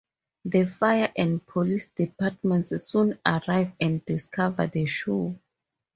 The fire and police departments soon arrive and discover the show.